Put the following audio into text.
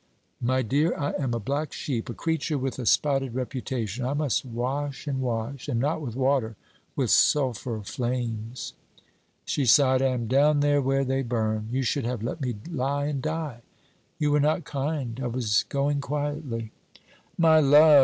My dear, I am a black sheep; a creature with a spotted reputation; I must wash and wash; and not with water with sulphur flames.' She sighed. 'I am down there where they burn. You should have let me lie and die. You were not kind. I was going quietly.' 'My love!'